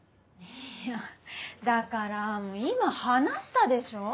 いやだから今話したでしょ。